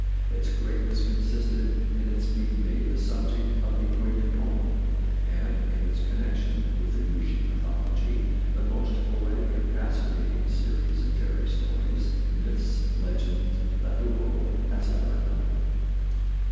Its greatness consisted in its being made the subject of a great poem, and in its connection with the Grecian mythology — the most poetic and fascinating series of fairy stories, myths, legends, that the world has ever known.